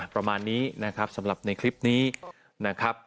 ประมาณนี้นะครับสำหรับในคลิปนี้นะครับ